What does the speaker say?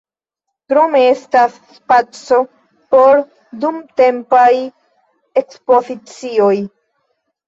Krome estas spaco por dumtempaj ekspozicioj.